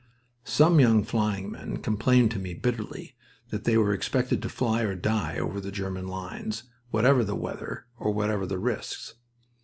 Some young flying men complained to me bitterly that they were expected to fly or die over the German lines, whatever the weather or whatever the risks.